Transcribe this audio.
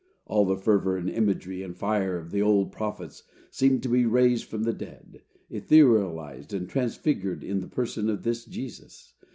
All the fervor and imagery and fire of the old prophets seemed to be raised from the dead, etherealized and transfigured in the person of this Jesus.